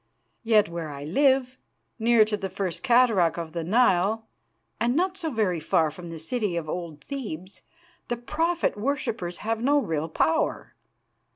Yet, where I live near to the first cataract of the Nile, and not so very far from the city of old Thebes the Prophet worshippers have no real power.